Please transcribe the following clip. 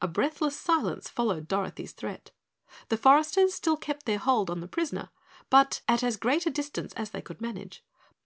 A breathless silence followed Dorothy's threat. The foresters still kept their hold on the prisoner, but at as great a distance as they could manage.